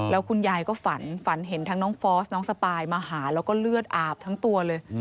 แล้วคุณยายก็ฝันฝันเห็นทั้งน้องฟอสน้องสปายมาหาแล้วก็เลือดอาบทั้งตัวเลย